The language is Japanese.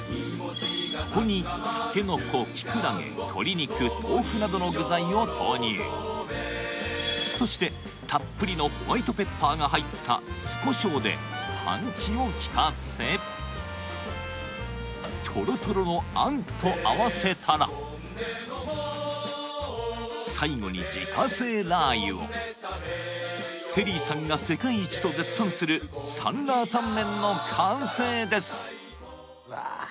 ２品目は味の決め手はそこにそしてたっぷりのホワイトペッパーが入った酢コショウでパンチをきかせトロトロの餡と合わせたら最後に自家製ラー油をテリーさんが世界一と絶賛する酸辣湯麺の完成ですうわ